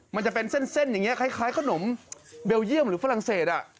มันจะเป็นเส้นอย่างนี้คล้ายขนมเบลเยี่ยมหรือฝรั่งเศส